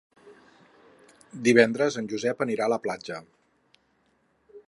Divendres en Josep anirà a la platja.